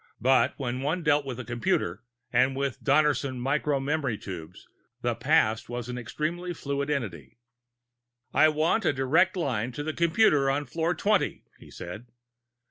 But when one dealt with a computer and with Donnerson micro memory tubes, the past was an extremely fluid entity. "I want a direct line to the computer on floor twenty," he said.